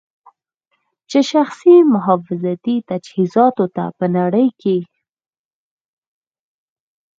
چې شخصي محافظتي تجهیزاتو ته په نړۍ کې